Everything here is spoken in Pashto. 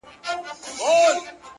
زړه مي د اشنا په لاس کي وليدی ـ